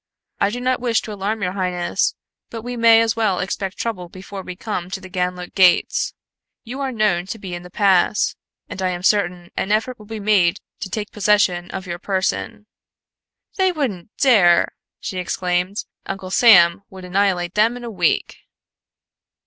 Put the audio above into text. I do not wish to alarm your highness, but we may as well expect trouble before we come to the Ganlook gates You are known to be in the pass, and I am certain an effort will be made to take possession of your person." "They wouldn't dare!" she exclaimed. "Uncle Sam would annihilate them In a week."